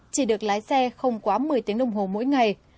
chỉ được lái xe không quá một mươi tiếng đồng hồ mỗi ngày